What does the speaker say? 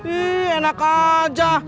ih enak aja